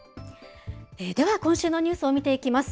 では今週のニュースを見ていきます。